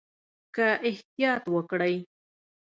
که احتیاط وکړئ